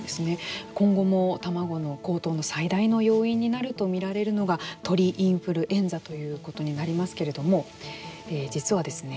今後も卵の高騰の最大の要因になると見られるのが鳥インフルエンザということになりますけれども、実はですね